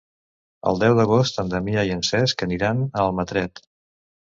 El deu d'agost en Damià i en Cesc aniran a Almatret.